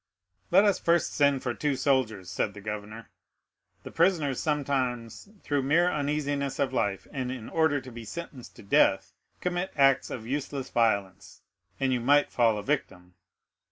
"Let us first send for two soldiers," said the governor. "The prisoners sometimes, through mere uneasiness of life, and in order to be sentenced to death, commit acts of useless violence, and you might fall a victim."